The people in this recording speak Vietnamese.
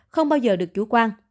không bao giờ được chủ quan